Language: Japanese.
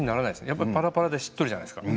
やっぱりパラパラでしっとりじゃないですか。